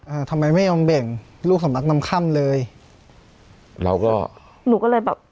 อ่าทำไมไม่ยอมแบ่งลูกสำนักนำค่ำเลยเราก็หนูก็เลยแบบ